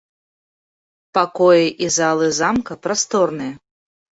Пакоі і залы замка прасторныя.